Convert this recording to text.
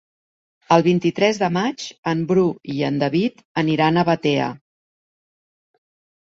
El vint-i-tres de maig en Bru i en David aniran a Batea.